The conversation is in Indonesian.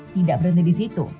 tidak berhenti di situ